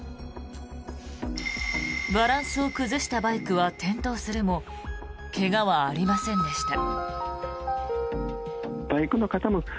バランスを崩したバイクは転倒するも怪我はありませんでした。